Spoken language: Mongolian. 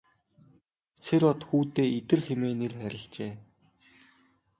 Сэр-Од хүүдээ Идэр хэмээн нэр хайрлажээ.